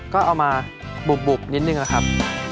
ก็เอามาบุบนิดนึงนะครับ